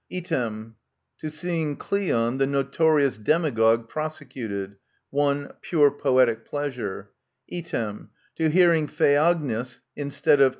Item, to seeing Cleon, the notorious demagogue, prosecuted; i, " pure poetic pleasure :" Item, to hearing Theognis instead of